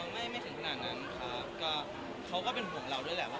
ไม่ถึงขนาดนั้นแบบนี้ก็เป็นต้องห่วงกัน